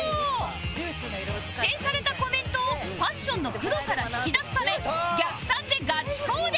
指定されたコメントをファッションのプロから引き出すため逆算でガチコーデ